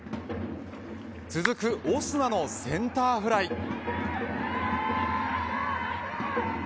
続くオスナのセンターフライ。